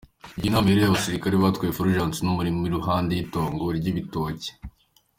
"Igihe inama ihereye, abasirikare batwaye Fulgence mu murima uri iruhande y'itongo ry'ibitoke.